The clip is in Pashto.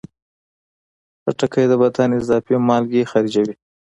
خټکی د بدن اضافي مالګې خارجوي.